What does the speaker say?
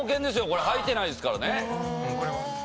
これはいてないですからね。